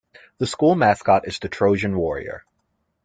The school mascot is the Trojan Warrior.